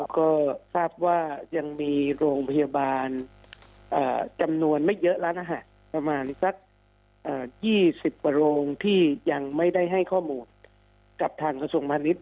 ก็ทราบว่ายังมีโรงพยาบาลจำนวนไม่เยอะแล้วนะฮะประมาณสัก๒๐กว่าโรงที่ยังไม่ได้ให้ข้อมูลกับทางกระทรวงพาณิชย